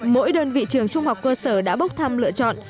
mỗi đơn vị trường trung học cơ sở đã bốc thăm lựa chọn